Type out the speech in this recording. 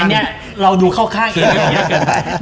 อันเนี้ยเราดูข้าวข้างเองไม่มีอย่างเกิน